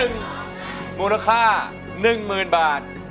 เพลงที่๑มูลค่า๑๐๐๐๐บาท